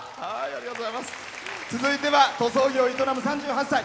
続いては塗装業を営む３８歳。